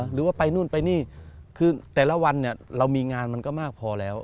หรือว่าไปนู่นไปนี่คือแต่ละวันเนี่ยเรามีงานมันก็มากพอแล้ว